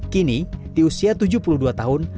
kini di usia tujuh puluh dua tahun